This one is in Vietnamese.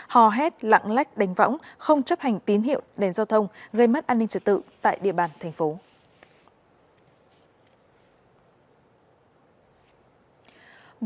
hò hét lặng lách đánh võng không chấp hành tín hiệu đèn giao thông gây mất an ninh trật tự tại địa bàn tp hcm